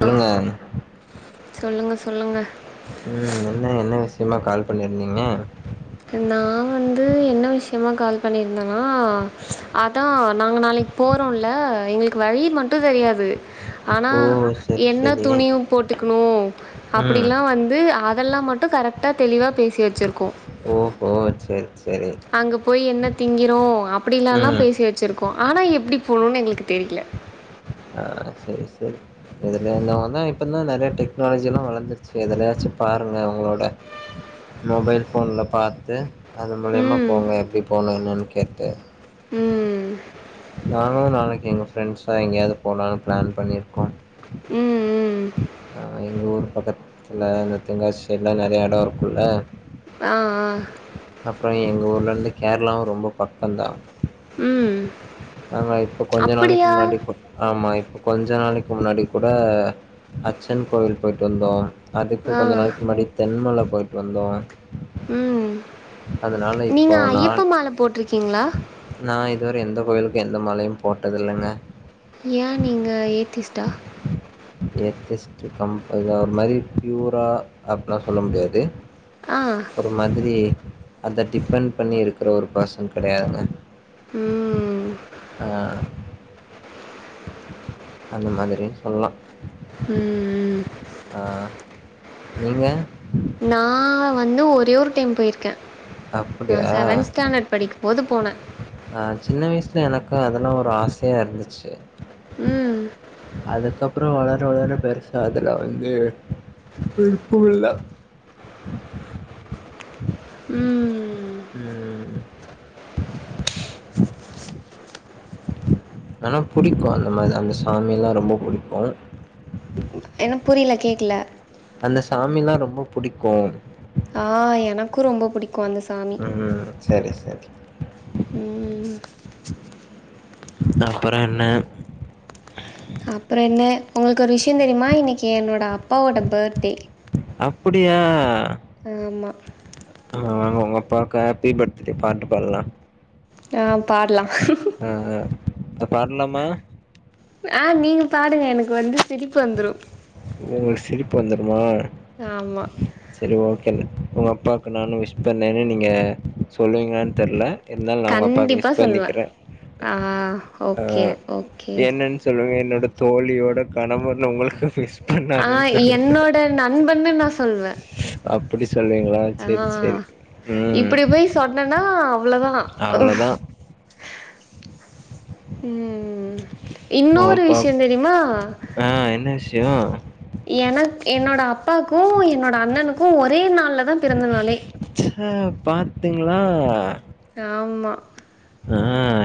சொல்லுங்க சொல்லுங்க சொல்லுங்க ம் என்ன என்ன விஷயமா கால் பண்ணிருந்தீங்க நா வந்து என்ன விஷயமா கால் பண்ணியிருந்தன்னா அதா நாங்க நாளைக் போறோம்ல எங்களுக்கு வழி மட்டு தெரியாது ஆனா ஓ செரி என்ன செரி துணியு போட்டுக்கணு ம் அப்டிலா வந்து அதெல்லா மட் கரெக்டா தெளிவா பேசி வச்சிருக்கோ ஓஹோ சரி அங்க போய் என்ன திங்கிரோ அப்டி எல்லா ம் பேசி வச்சிருக்கோ ஆனா எப்டி போகணும்னு எங்களுக்கு தெரில ஆ செரி செரி இதுல வந்த இப்பந்தா நெறய டெக்னாலஜி எல்லா வளர்ந்துருச்சு எதுலயாச்சு பாருங்க உங்களோட மொபைல் போன்ல பாத்து அது மூலயமா ம் போங்க எப்டி போணு என்னன்னு கேட்டு ம் நாங்களு நாளைக்கு எங்க ஃப்ரெண்ட்ஸா எங்கயாது போலானு பிளான் பண்ணிருக்கோ ம் ம் ஆ எங்க ஊர் பக்கத்துல இந்த தெங்காசி சைடுல நெறய எடோ இருக்கும்ல்ல ஆ ஆ அப்றோ எங்க ஊர்ல இருந்து கேரளாவு ரொம்ப பக்கதா ம் நாங்க இப்ப கொஞ்ச நாளைக்கு அப்படியா முன்னாடி ஆமா இப்ப கொஞ்ச நாளைக்கு முன்னாடி கூட அச்சன் கோவில் போய்ட்டு வந்தோ அதுக்கு ஆ கொஞ்ச நாளைக்கு முன்னாடி தென்மல போய்ட்டு வந்தோ ம் அதனால இப் நீங்க ஐயப்ப மாழ போட்ருக்கீங்களா நா இதுவர எந்த கோயிலுக்கு எந்த மாலயு போட்டது இல்லங்க ஏ நீங்க ஏத்திஸ்டா ஏத் ஸ்ட் கம் இத ஒரு மாரி பியூரா அப்டிலா சொல்ல முடியாது ஆ ஒரு மாதிரி அந்த டிபென் பண்ணி இருக்கிற ஒரு பேர்சென் கெடயாதுங்க ம் ஆ அந்த மாதிரினு சொல்லலா ம் ஆ நீங்க நா வந் து ஒரே ஒரு டைம் போயிருக்கே நா அப்டியா செவன்த் ஸ்டாண்டர்ட் படிக்கும்போது போனே ஆ சின்ன வயசுல எனக்கும் அதெல்லா ஒரு ஆசயா இருந்துச்சு ம் அதுக்கப்பறோ வளர வளர பெருசா அதுல வந்து விருப்போ இல்ல ம் ம் ஆனா புடிக்கும் அந்த மாரி அந்த சாமில்லா ரெம்ப புடிக்கு ஏன்ன புரியல கேட்கல அந்த சாமில்லா ரொம்ப புடிக்கும் ஆ எனக்கும் ரொம்ப பிடிக்கும் அந்த சாமி ம் சரி சரி ம் அப்பறோ என்ன அப்பற என்ன உங்களுக்கு ஒரு விஷயோ தெரியுமா இன்னைக்கி என்னோட அப்பாவோட பேர்த்டே அப்புடியா ஆமா ஆ உங்க அப்பாவுக்கு ஹாப்பி பர்த்டே பாட்டு பாடலா ஆ பாடலா ஆ ஆ பாடலாமா ஆ நீங்க பாடுங்க எனக்கு வந்து சிரிப்பு வந்துரும் உங்களுக்கு சிரிப்பு வந்துருமா ஆமா சேரி ஓகே உங்க அப்பாக்கு நானு விஷ் பண்ணேன்னு நீங்க சொல்லுவீங்களான்னு தெர்ல இருந்தாலு நா உங்க அப்பாவுக்கு கண்டிப்பா விஷ் சொல்லுவேன். பண்ணிக்கிறே ஆ ஆ ஓகே ஓகே. என்னன் சொல்லுங்க என்னோட தோழியோட கணவன் உங்களுக்கு விஷ் ஆ என்னோட நண்பன்னு நா சொல்வே அப்டி சொல்லுவீங்களோ சேரி சேரி ம் சொன்னன்னா அவ்ளோதா ம் அவ்ளோதா ம் உங்க இன்னொரு அப்பா விஷயோ தெரியுமா ஆ என்ன விஷ்யோ என என்னோட அப்பாக்கும் என்னோட அண்ணனுக்கும் ஒரே நாள்ள தா பிறந்தநாளே ச பாத்துங்களா ஆமா ஆ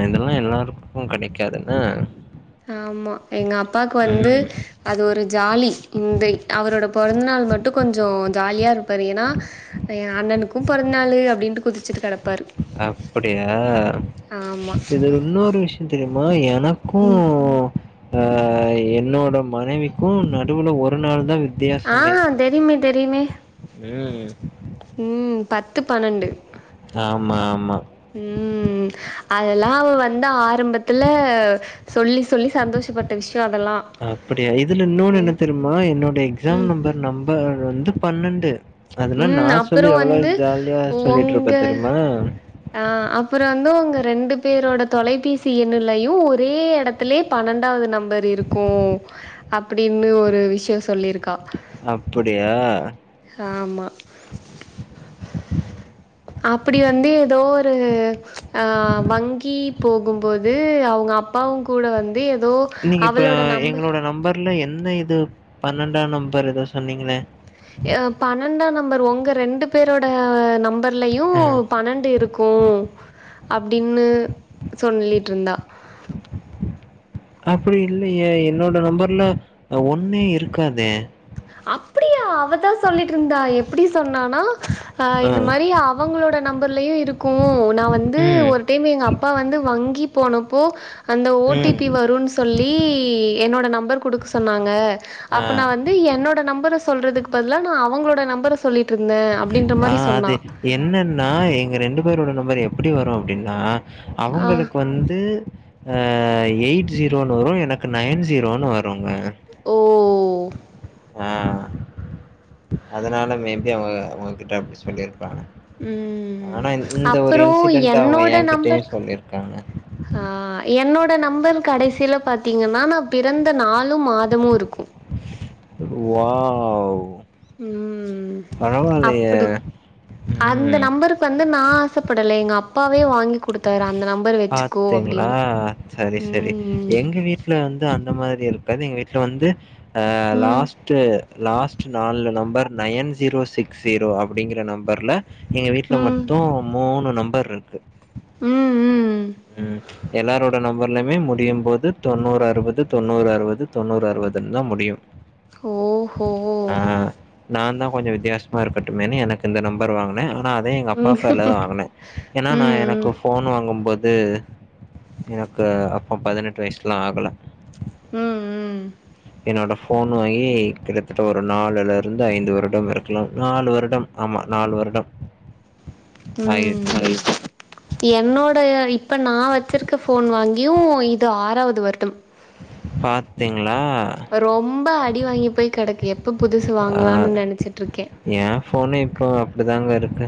இதெல்லா எல்லாருக்கு கெடைக்காது என்ன ஆமா எங்கப்பாக்கு வந்து ம் அது ஒரு ஜாலி இந்த அவரோட பொறந்தநாள் மட்டு கொஞ்ச ஜாலியா இருப்பார் ஏன்னா நா ஏ அண்ணனுக்கு பொறந்தநாள் அப்படின்னு குதிச்சிட்டு கெடப் அப்படியா ஆமா. இது இன்னொரு விஷய தெரியுமா ஏ எனக்கு ம். ஆ என்னோட மனைவிக்கு நடுவுல ஒரு நாள் தா வித் ஆ தியாசமே தெரியுமே தெரியுமே. ம் ம் பத்து பன்னெண்டு ஆமா ஆமா ம் அதெல்லா அவ வந்து ஆரம்பத்துல சொல்லி சொல்லி சந்தோஷப்பட்ட விஷயம் அதெல்லாம். அப்படியா இதுல இன்னொன்னு என்ன தெரியுமா என்னோடைய எக்ஸாம் நம்பர் நம்பர் வந்து பன்னெண்டு அதனா நா ம் அப்புறோ சொல்லி எவ்வளோ வந்து ஜாலியா சொல்லிட்ருப்பே ஒங்க தெரியுமா ஆ அப்பற வந்து அவங்க ரெண்டு பேரோட தொலைபேசி எண்ணலயையு ஒரே எடத் த்தலயே பன்னெண்டாவது நம்பர் இருக்கு அப்படின்னு ஒரு விஷய சொல்லிருக்கா அப்படியா ஆமா அப்படி வந்து ஏதோ ஒரு ஆ வங்கி போகும்போது அவங்க அப்பாவு கூட வந்து ஏதோ நீங்க இப்ப அவளோட நம்பர் எங்களோட நம்பர்ல என்ன இது பன்னெண்டா நம்பர் ஏதோ சொன்னீங்களே ஏ பன்னெண்டாம் நம்பர் உங்க ரெண்டு பேரோட நம்பர் உள்ளயு அ பன்னெண்டு இருக்கு அப்படின்னு சொல்லிட்ருந்தா [inaudible] அப்படி இல்லையே என்னோட நம்பர்ல ஒன்னே இருக்காதே அப்டியா அவதா சொல்லிட்ருந்தா எப்டி சொன்னானா ஆ அ. இந்த மாரி அவங்களோட நம்பர்லயு இருக்கு நா வந்து ம். ஒரு தேமே எங்கப்பா வந்து வங்கி போனப்போ அந்த ஓ டி ம். பி வருன்னு சொல்லி என்னோட நம்பர் குடுக்க சொன்னாங்க அப்போ ஆ. நா வந் து என்னோட நம்பர சொல்றதுக்கு பதிலா நா அவங்களோட நம்பர சொல்லிட்ருந்த அப்படின்ற ஆ மாரி சொன்னா அது என்னன்னா எங்க ரெண்டு பேரோட நம்பர் எப்படி வரு அப்படின்னா ஆ அவங்களுக்கு வந்து அ எயிட் ஜீரோன்னு வரு எனக்கு நைன் ஜீரோன்னு வருங்க ஓ ஆ அதனால மேபி அவங்க அவங்ககிட்ட அப்டி சொல்லிருப்பாங்க ம் ஆனா இந் இந்த ஒரு அப்புறோ இன்சிடென்ட் அவங்க ஏங்கிட்டயு சொல்லிருக்காங்க அ என்னோட நம்பர் கடைசியில பாத்தீங்கன்னா நா பிறந்த நாலு மாதமு இருக்கு வாவ் ம் பரவால்லயே! அப்டி அந்த ம். நம்பருக்கு வந்து நா ஆசப்படல எங்க அப்பாவே வாங்கி கு குடுத்தாரு அந்த நம்பர் வச்சுக்கோ பாத்தீங்களா? அப்படின்னு சரி, சரி. ம் ம் எங்க வீட்ல வந்து அந்த மாரி இருக்காது எங்க வீட்ல வந்து ஆ ம் லாஸ்ட்டு லாஸ்ட்டு நாலு number nine zero six zero அப்படிங்கிற நம்பர்ல்ல எங்க வீட்ல ம் மட்டு மூணு நம்பர் இருக்கு ம் ம் ம் ம் எல்லாரோட நம்பர்லயுமே முடியும் போது தொண்ணூறு அறுபது தொண்ணூறு அறுபது தொண்ணூறு அறுபதுன்னு தா முடியு ஓ ஓஹோ ஆ நா தா கொஞ்சோ வித்தியாசமா இருக்கட்டுமேனு எனக்கு இந்த நம்பர் வாங்கன ஆ னா அதையு எங்க அப்பா ம் பேர்ல தா வாங்கன ஏன்னா நா ம் எனக்கு ஃபோன் வாங்கும்போ து எனக்கு அப்போ பதினெட்டு வயசுலா ஆகல ம் ம் என்னோட ஃபோன் வாங்கி கிட்டத்தட்ட ஒரு நாலுல இருந்து ஐந்து வருடம் இருக்கலா நாலு வருடம் ஆமா நாலு வருடம் ம் ஆகிவிட்டது [unintelligible] என்னோடய இப்போ நா வச்சிருக்க ஃபோன் வாங்கியு இது ஆறாவது வருடம் பாத்தீங்களா ரொம்ப அடி வாங்கி போய் கெடக்கு எப்போ புதுசு வாங்கலான்னு நெனச்சிட்டு இருக்க ஏ ஃபோனே இப்போ அப்படிதாங்க இருக்கு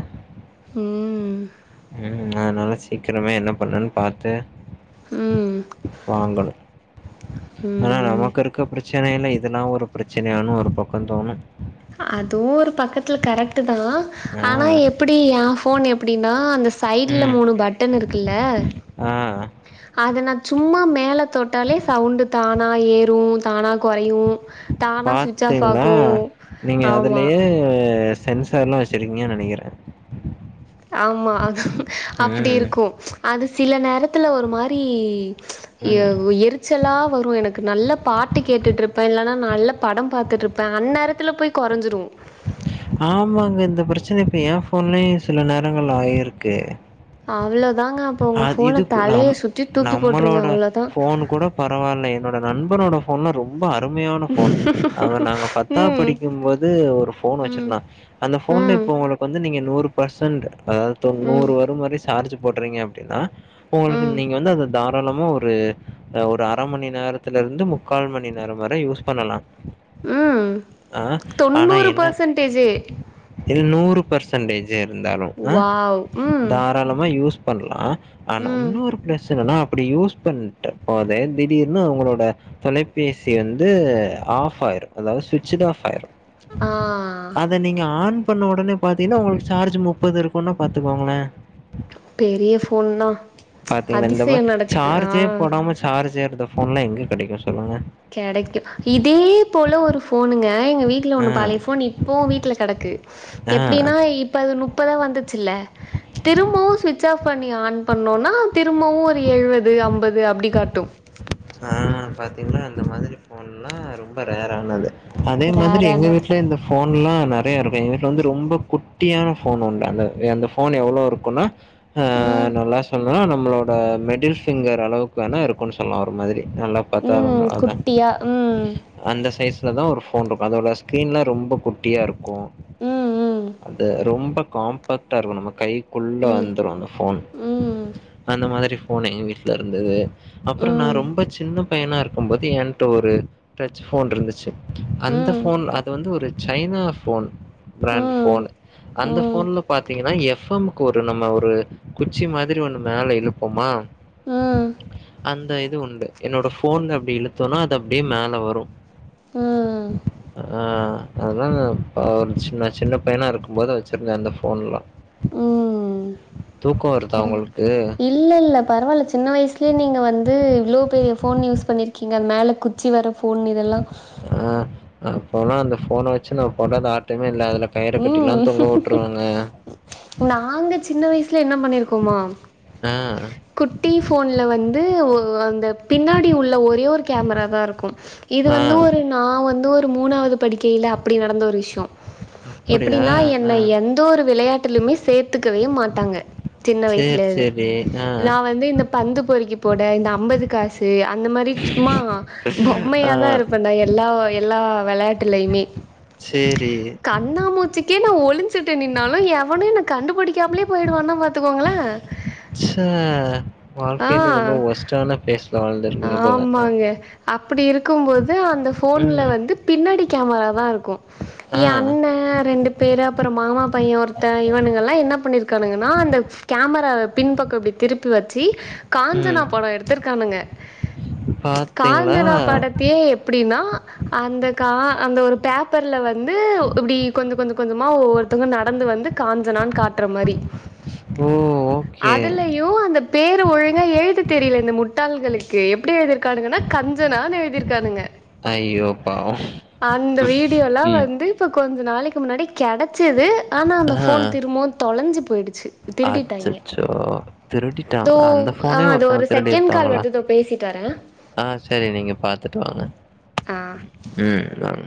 ம் ம் அதுனால சீக்கிரமே என்ன பண்ணனு பாத்து ம் வாங்கணு ஆனா ம் நமக்கு இருக்க பிரச் சனையில இதெல்லா ஒரு பிரச்சனையான்னு ஒரு பக்கோ தோணு அதுவு ஒரு பக்கத்துல கரெக்ட் தா ஆ. ஆனா எப்படி எ ஃபோன் எப்டினா அந்த சைட்ல ம். மூணு பட்டன் இருக்குல்ல ஆ அத நா சும்மா மேல தொட்டாலே சவுண்டு தானா ஏறு தானா குறையு பாத்தீங்களா நீங்க ஆமா அதுலயே சென்சார்ல்லா வச்சிருக்கீங்கனு நெனைக்கற ஆமா அது அப்டி இருக்கு அது சில நேரத்துல ஒரு மாரி ம். எவு எர் எரிச்சலா வரு எனக்கு நல்ல பாட்டு கேட்டுட்டு இருப்ப இல்லன்னா நல்ல படம் பாத்துட்டு இருப்ப அந் நேரத்துல போய் கொறஞ்சுடு ஆமாங்க இந்த பிரச்சன இப்ப எ ஃபோன்லயு சில நேரங்கள்ள ஆயிருக்கு அவ்ளோதாங்க அப்ப உங்க அது ஃபோன இதுக்கு தலைய நம் சுத்தி தூக்கி போட்டுருங்க நம்மளோட அவ்ளோதா ஃபோன் கூட பரவால்ல என்னோட நண்பனோட ஃபோன்லா ரொம்ப அருமையான ம் ஃபோன் அவ நாங்க பத்தாவுது ம் படிக்குபோது ஒரு ஃபோன் வச்சிருந்தா அந்த போன்ல ம் இப்ப உங்களுக்கு வந்து நீங்க நூறு பர்சன்ட் அதாவது ம் தொந்நூறு வர மாரி சார்ஜ் போடுறீங்க னா உங்களுக்கு ம் நீங்க வந்து அத தாராளமா ஒரு ஒரு அரை மணி நேரத்துல இருந்து முக்கால் மணி நேரம் வரை யூஸ் பண்ணலா ம் ஆ ஆனா தொண்ணூறு என்ன பர்சன்டேஜே இது நூறு பர்சன்டேஜ் இருந்தாலு அ வாவ் ம் தாராளமா யூஸ் பண்ணலா ஆனா ம் இன்னொரு பிளஸ் எனனா அப்படி யூஸ் பண்ணட்ட போதே திடீர்னு அவங்களோட தொலைபேசி வந்து ஆஃப் ஆயிரு அதாவது சுவிட்சுடு ஆஃப் ஆயிரு ஆ அத நீங்க ஆன் பண்ண உடனே பாத்தீங்கனா உங்களுக்கு சார்ஜ் முப்பது இருக்கும்னா பாத்துக்கோங்களே பெரிய ஃபோன் தா பாத்தீங்களா இந்த அதிசயம் மாரி நடக்குது ஆ சார்ஜே போடாம சார்ஜ் ஏறுத ஃபோன்லா எங்க கெடைக்கு சொல்லுங்க கெடைக்கு இதே போல ஒரு ஃபோனுங்க எங்க வீட்ல ஆ, ஒன்னு பழைய ஃபோன் இப் போவு வீட்ல கெடக்கு ஆ. எப்டின்னா இப்ப அது முப்பதா வந்துச்சுல்ல திரும்பவு சுவிட்ச் ஆஃப் பண்ணி ஆன் பண்ணோனா திரும்பவு ஒரு எழுவது அம்பது அப்டி காட்டு ஆ பாத்தீங்னா அந்த மாதிரி ஃபோன்ல்லா ரொம்ப ரேர் ஆனது அதே மாதிரி எங்க ரேரானது வீட்லயு இந்த ஃபோன்லா நெறைய இருக்கு எங்க வீட்ல வந்து ரொம்ப குட்டியான ஃபோன் உண்டு அந்த அந்த ஃபோன் எவ்ளோ இருக்குனா ஆ ம் நல்லா சொல்லா நம்மளோ மிடில் ஃபிங்கர் அளவுக்கு வேனா இருக்குன்னு சொல்லா ஒரு மாரி நல்லா பத்தாயிரந்தா ம் அதா குட்டியா ம் அந்த சைஸ்லதா ஒரு ஃபோன் இருக்கு அதோட ஸ்கிரீன்ல்லா ரொம்ப கு குட்டியா இருக்கு ம் ம் அது ரொம்ப காம்பேக்ட்டா இருக்கு நம்ம கை குள்ள ம் வந்துரு அந்த ஃபோன் ம் ம் அந்த மாரி ஃபோன் எங்க வீட்ல இருந்துது அப்றோ நா ம் ரொம்ப சின்ன பையனா இருக்கும்போது என்ட்ட ஒரு டச் ஃபோன் இருந்துச்சு அந்த ம் ஃபோன் அது வந்து ஒரு சைனா ஃபோன் பிராண்ட் ம் ஃபோன் அந்த ஃபோன்ல பாத்தீங்கனா எஃப் எம் ஒரு நம்ம ஒரு குச்சி மாதிரி ஒண்ணு மேல இழுப்பமா ம் அந்த இது உண்டு என்னோட ஃபோன்ல அப்டி இழுத்தம்னா அது அப்டியே மேல வரு ம் ஆ அதான் நா ஒரு சின்ன சின்ன பையனா இருக்கும்போது வெச்சிருந்தேன் அந்த ஃபோன்ல்லா ம் தூக்கோ வருதா பரவா உங்களுக்கு இல்ல இல்ல பரவால சின்ன வயசுலயே நீங்க வந்து இவ்ளோ பெரிய ஃபோன் யூஸ் பண்ணிருக்கீங்க மேல கு ச்சி வற ஃபோன் இதெல்லா ஆ அப்பல்லா அந்த ஃபோன வெச்சு நா போடாத ஆட்டமே இல்ல அதுல கயிற கட்டியெல்லா ம் தொங்க விட்டுருவங்க நாங்க சின்ன வயசல என்ன பண்ணிருக்கோமா அ குட்டி ஃபோன்ல வந்து ஒ அந்த பின்னாடி உள்ள ஒரே ஒரு கேமராதா இருக்கு இது ஆ வந்து ஒரு நா வந்து ஒரு மூணாது படிக்கைல அப்டி நடந்த ஒரு விஷ்யோ அப்படியா எப்டினா ஆ என்ன எந்த ஒரு விளையாட்லிமே சேத்துக்கவே மாட்டாங்க சின்ன வயசிலவே ஏ அ நா வந்து இந்த பந்து பொறிக்கி போட இந்த அம்பது கா சு அந்த மாரி சும்மா ஆ பொம்மயாதா இருப்ப நா எல்லா எல்லா வெளயாட்டுலிமே சேரி கண்ணாமூச்சிக்கே நா ஒளிஞ்சுட்டு நின்னாலு எவனு என்ன கண்டுபுடிக்காமலே போயிடுவானா பாத்துக்கோங்களே ச்ச வாழ்க்கைல ரொம்ப ஆ வொர்ஸ்டான பேஸ்ல வாழ்ந்துரு ஆமாங்க அப்டி இருக்கும்போது அந்த ஃபோன்ல ம் வந்து பின்னாடி கேமராதா இருக்கு ஆ என் அண்ண ரெண்டு பேர் அப்றோ மாமா பையன் ஒருத்தன் இவனுங்கல்லா என்ன பண்ணிருக்கானுங்கனா அந்த கேமராவ பின்பக்கம் இப்டி திருப்பி வெச்சு காஞ்சனா படோ எடுத்திருக்கானுக பா காஞ்சனா படத்தையே எப்டினா அந்த கா அந்த ஒரு பே ப்பர்ல வந்து இப்டி கொஞ்ச கொஞ்ச கொஞ்சமா ஒவ்வொருத்தவங்க நடந்து வந்து காஞ்சனான்னு காட்ற மாரி ஓ ஓகே அதுல இ துலயு அந்த பேர் ஒழுங்கா எழுத தெரில இந்த முட்டாள்களு க்கு எப்டி எழுதிருக்கானுகனா கஞ்சனான்னு எழுதிருக்கானுக ஐயோ பாவோ அந்த வீடியோல்லா ம் வந்து இப்ப கொஞ்ச நாளைக்கி முன்னாடி கெடைச்சது ஆனா அந்த ஆ ஃபோன் திரும்பவு தொலைஞ்சு போயிடுச்சு திருடிட்டாய்ங்க அச்சச்சோ தோ திருடிட்டாங்களா அந்த ஆ ஃபோனே அது ஒருத்தங்க ஒரு செகண்ட் கால் திருடிர்க்காங்களா வருது தோ பேசிட்டு வரே ஆ செரி நீங்க பாத்துட்டு வாங்க ஆ ம் வாங்க